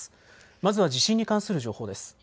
まずは地震に関する情報です。